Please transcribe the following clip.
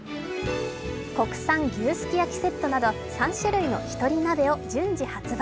国産牛すき焼セットなど３種類のひとり鍋を順次発売。